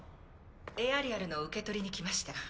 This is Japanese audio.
エアリアルの受け取りに来ました。